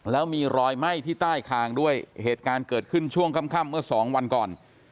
แล้วมีรอยไหม้ที่ใต้คางด้วยเหตุการณ์เกิดขึ้นช่วงค่ำเมื่อสองวันก่อน